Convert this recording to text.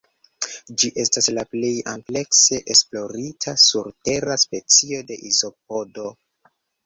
Ĝi estas la plej amplekse esplorita surtera specio de izopodo.